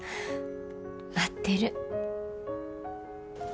待ってる。